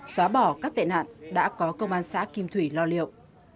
xóa bỏ các tệ nạn đã có công an xã kim thủy lo liệu